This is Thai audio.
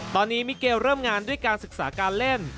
ตอนนี้มิเกลเริ่มงานด้วยการศึกษาการเล่น